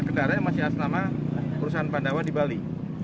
kendaranya masih aslama perusahaan pandawa di bali